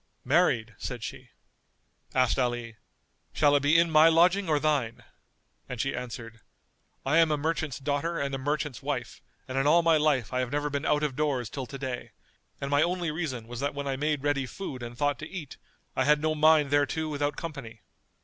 "Married," said she. Asked Ali, "Shall it be in my lodging or thine?"[FN#228] and she answered, "I am a merchant's daughter and a merchant's wife and in all my life I have never been out of doors till to day, and my only reason was that when I made ready food and thought to eat, I had no mind thereto without company.